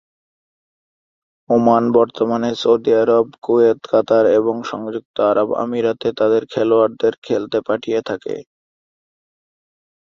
Oman বর্তমানে Saudi আরব, Kuwait, Qatar এবং সংযুক্ত আরব আমিরাতে তাদের খেলোয়াড়দের খেলতে পাঠিয়ে থাকে।